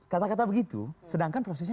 kata kata begitu sedangkan prosesnya